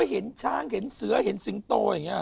เห็นช้างเห็นเสือเห็นสิงโต